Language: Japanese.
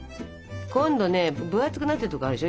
今度ね分厚くなってるところあるでしょ？